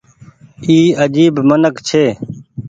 اي آجيب منک ڇي ۔